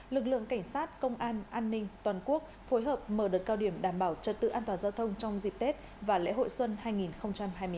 lực lượng cảnh sát công an an ninh toàn quốc phối hợp mở đợt cao điểm đảm bảo trật tự an toàn giao thông trong dịp tết và lễ hội xuân hai nghìn hai mươi bốn